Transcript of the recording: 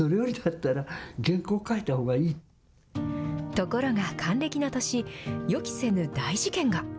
ところが、還暦の年、予期せぬ大事件が。